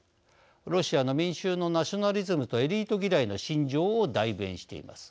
ロシアの民衆のナショナリズムとエリート嫌いの心情を代弁しています。